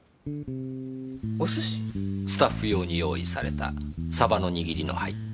スタッフ用に用意されたサバの握りの入った。